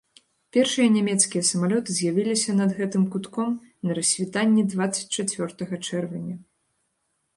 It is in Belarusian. Першыя нямецкія самалёты з'явіліся над гэтым кутком на рассвітанні дваццаць чацвёртага чэрвеня.